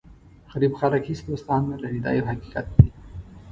غریب خلک هېڅ دوستان نه لري دا یو حقیقت دی.